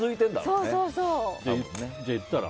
じゃあ、言ったら？